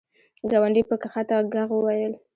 ګاونډي په کښته ږغ وویل !